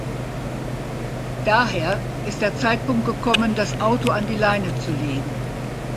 Daher ist der Zeitpunkt gekommen, das Auto an die Leine zu legen.